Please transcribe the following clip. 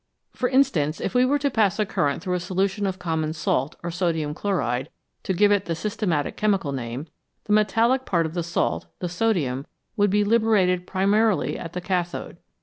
For instance, if we were to pass a current through a solution of common salt, or sodium chloride, to give it the systematical chemical name, the metallic part of the salt, the sodium, would be liberated primarily at the cathode.